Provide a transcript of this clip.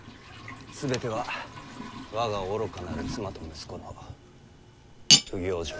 全ては我が愚かなる妻と息子の不行状ゆえ。